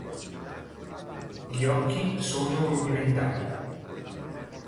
Gli occhi sono rudimentali.